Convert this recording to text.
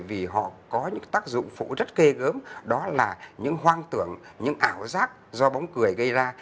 vì họ có những tác dụng phụ rất ghê gớm đó là những hoang tưởng những ảo giác do bóng cười gây ra